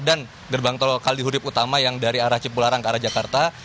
dan gerbang tol kaldi hurib utama yang dari arah cipularang ke arah jakarta